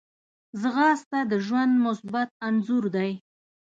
ځغاسته د ژوند مثبت انځور دی